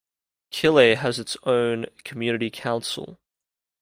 Killay has its own community council.